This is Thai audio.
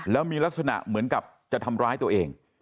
แล้วมีลักษณะเหมือนกับจะทำร้ายตัวเอง